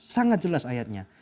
sangat jelas ayatnya